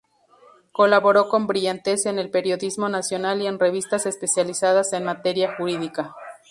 Colaboró con brillantez en el periodismo nacional y en revistas especializadas en materia jurídica.